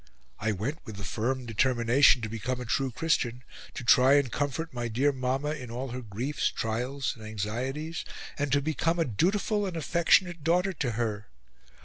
I went with the firm determination to become a true Christian, to try and comfort my dear Mamma in all her griefs, trials, and anxieties, and to become a dutiful and affectionate daughter to her.